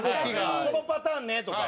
このパターンねとか。